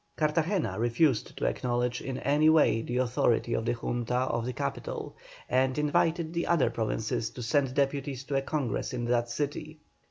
Cartagena refused to acknowledge in any way the authority of the Junta of the capital, and invited the other provinces to send deputies to a Congress in that city.